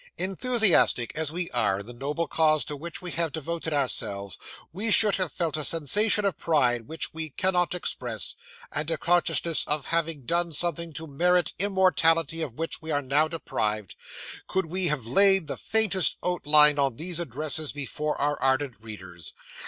Enthusiastic as we are in the noble cause to which we have devoted ourselves, we should have felt a sensation of pride which we cannot express, and a consciousness of having done something to merit immortality of which we are now deprived, could we have laid the faintest outline on these addresses before our ardent readers.